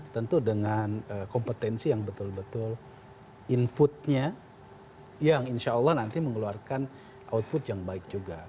tentu dengan kompetensi yang betul betul inputnya yang insya allah nanti mengeluarkan output yang baik juga